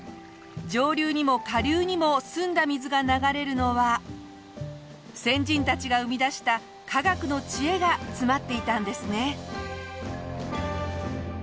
上流にも下流にも澄んだ水が流れるのは先人たちが生み出した科学の知恵が詰まっていたんですね。